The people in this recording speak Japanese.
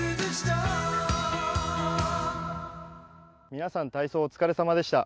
皆さん、体操、お疲れさまでした。